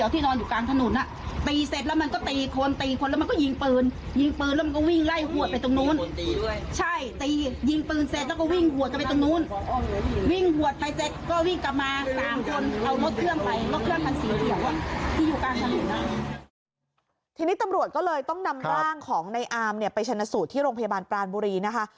ทีนี้ตำรวจก็เลยต้องนำร่างของในอามเนี่ยไปชนะสูตรที่โรงพยาบาลปรานบุรีนะคะ